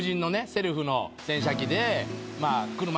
セルフの洗車機で。